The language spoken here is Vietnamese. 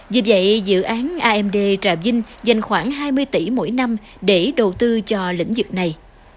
vì vậy dự án amd trà vinh dành khoảng hai mươi tỷ mỗi năm để đầu tư cho lĩnh vực này